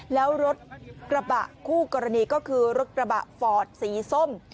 แล้วรถกระบะคู่กรณีก็คือรถกระบะฟอร์ดสีส้ม